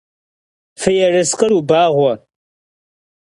Fi yêrıskhır vubağue!